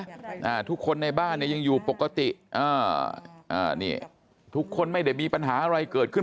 อ่าทุกคนในบ้านเนี้ยยังอยู่ปกติอ่าอ่านี่ทุกคนไม่ได้มีปัญหาอะไรเกิดขึ้น